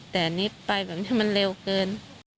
แต่อันนี้ไปมันเร็วเกิน